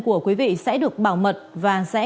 của quý vị sẽ được bảo mật và sẽ